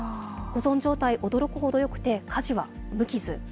保存状態、驚くほどよくてかじは無傷。